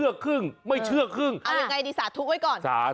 เอาอย่างไรสาธุไว้ก่อน